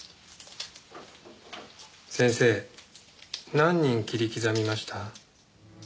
先生何人切り刻みました？